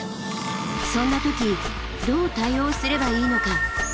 そんな時どう対応すればいいのか。